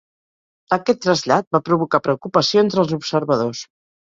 Aquest trasllat va provocar preocupació entre els observadors.